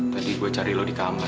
tadi gua cari lu di kamar